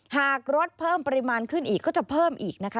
หากรถเพิ่มปริมาณขึ้นอีกก็จะเพิ่มอีกนะคะ